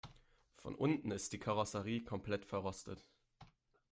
Von unten ist die Karosserie komplett verrostet.